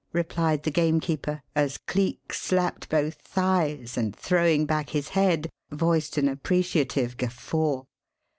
replied the gamekeeper as Cleek slapped both thighs, and throwing back his head, voiced an appreciative guffaw.